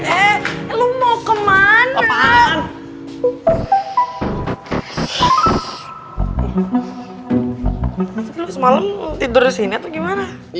lu semalam tidur disini atau gimana